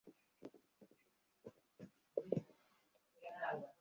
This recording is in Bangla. তাঁরা প্রিসাইডিং, ডেপুটি প্রিসাইডিং, সহকারী প্রিসাইডিং এবং পোলিং অফিসার হিসেবে কাজ করবেন।